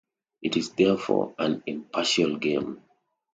It is therefore an impartial game.